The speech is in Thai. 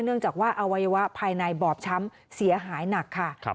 เนื่องจากว่าอวัยวะภายในบอบช้ำเสียหายหนักค่ะ